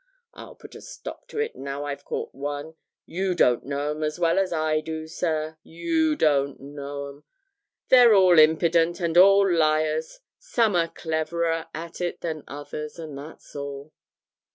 I'll put a stop to it now I've caught one. You don't know 'em as well as I do, sir, you don't know 'em they're all impident and all liars some are cleverer at it than others, and that's all.'